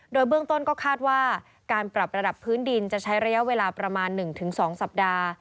โดยเบื้องต้นก็คาดว่าการปรับระดับพื้นดินจะใช้ระยะเวลาประมาณ๑๒สัปดาห์